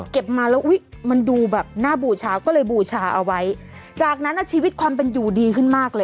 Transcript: มาแล้วอุ้ยมันดูแบบน่าบูชาก็เลยบูชาเอาไว้จากนั้นชีวิตความเป็นอยู่ดีขึ้นมากเลย